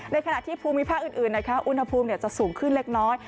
ขณะที่ภูมิภาคอื่นนะคะอุณหภูมิจะสูงขึ้นเล็กน้อย